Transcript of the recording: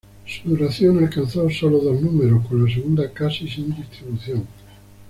Su duración alcanzó solo dos números, con la segunda casi sin distribución.